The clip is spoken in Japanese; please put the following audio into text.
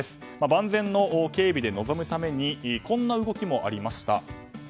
万全の警備で臨むためこんな動きもありました。